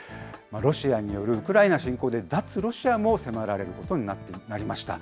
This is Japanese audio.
ロシアによるウクライナ侵攻で、脱ロシアも迫られることになりました。